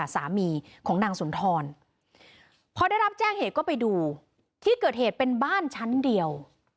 สามีสุนทรไปดูที่เกิดเป็นบ้านถ้ามีส่วนเดียว